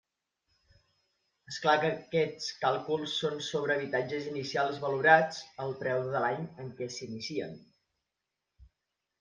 És clar que aquests càlculs són sobre habitatges inicials valorats al preu de l'any en què s'inicien.